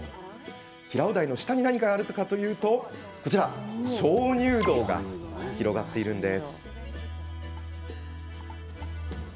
平尾台の下に何があるかというと鍾乳洞が広がっているんです。